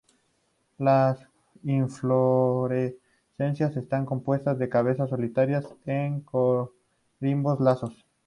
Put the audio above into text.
Las inflorescencias están compuestas de cabezas solitarias en corimbos lazos.